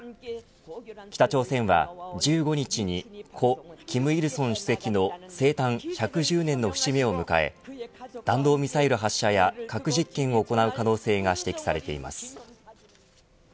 北朝鮮は１５日に故金日成主席の生誕１１０年の節目を迎え弾道ミサイル発射や核実験を行う可能性が指摘されています。